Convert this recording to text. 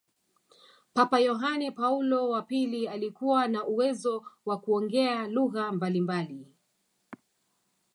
papa yohane paulo wa pili alikuwa na uwezo wa kuongea lugha mbalimbali